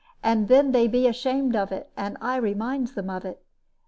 And then they be ashamed of it; and I reminds them of it.